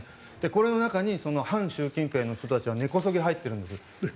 これの中に反習近平の人たちは根こそぎ入っているんです。